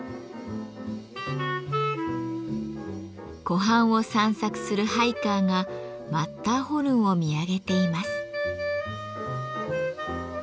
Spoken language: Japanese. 湖畔を散策するハイカーがマッターホルンを見上げています。